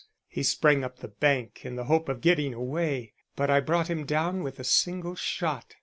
He sprang up the bank in the hope of getting away, but I brought him down with a single shot.